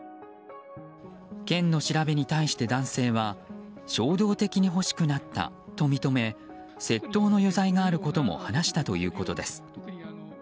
県の調べに対して男性は衝動的に欲しくなったと認め窃盗の余罪があることも話したということです。